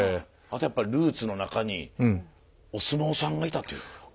あとやっぱルーツの中にお相撲さんがいたという。